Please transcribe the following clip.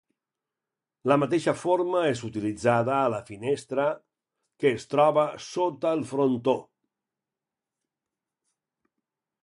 La mateixa forma és utilitzada a la finestra que es troba sobre el frontó.